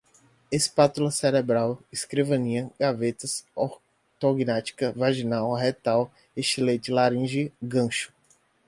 espátula cerebral, escrivaninha, gavetas, ortognática, vaginal, retal, estilete, laringe, gancho